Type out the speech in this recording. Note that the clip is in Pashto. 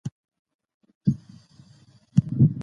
د سولي ارزښت وپیرژنئ.